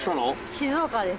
静岡です。